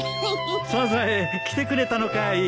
サザエ来てくれたのかい。